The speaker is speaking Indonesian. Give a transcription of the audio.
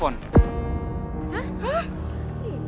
dan yang terpilih adalah